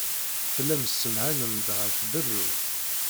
Tellam tessemɛanem-d ɣef berru.